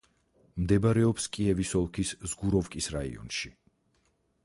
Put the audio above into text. მდებარეობს კიევის ოლქის ზგუროვკის რაიონში.